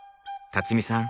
さん